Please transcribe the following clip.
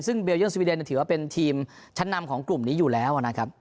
ซึ่งเบลเยอร์สวีเดนถือว่าเป็นทีมชั้นนำของกลุ่มนี้อยู่แล้วนะครับ